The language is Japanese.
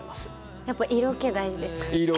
やっぱ色気大事ですか？